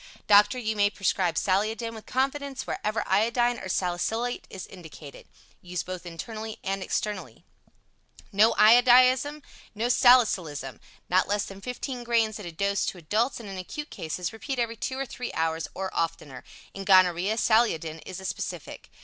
Doctor, you may prescribe Saliodin with confidence wherever iodine or salicylate is indicated. Used both internally and externally. No Iodism, no Salicylism. Not less than 15 grains at a dose to adults, and in acute cases repeat every 2 or 3 hours or oftener. In gonorrhoea, Saliodin is a specific.